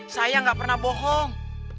saya gak pernah bohong